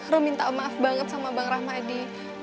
ru minta maaf banget sama bang rahmadi